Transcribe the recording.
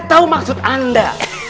saya tahu maksud anda